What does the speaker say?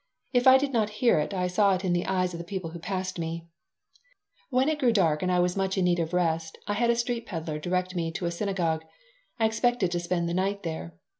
If I did not hear it, I saw it in the eyes of the people who passed me When it grew dark and I was much in need of rest I had a street peddler direct me to a synagogue. I expected to spend the night there.